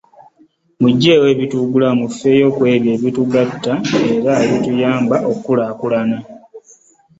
Muggyeewo ebituwugula, mufeeyo ku ebyo ebitugatta era tuyambagane okulaakulana.